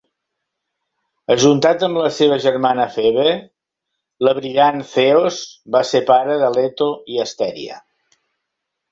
Ajuntat amb la seva germana Febe, "la brillant", Ceos va ser pare de Leto i Astèria